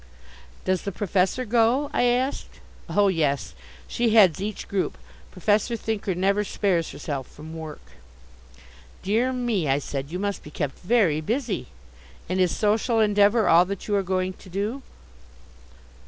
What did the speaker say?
"Does the professor go?" I asked. "Oh, yes, she heads each group. Professor Thinker never spares herself from work." "Dear me," I said, "you must be kept very busy. And is Social Endeavour all that you are going to do?"